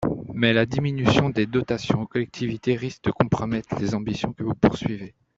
Mais la diminution des dotations aux collectivités risque de compromettre les ambitions que vous poursuivez.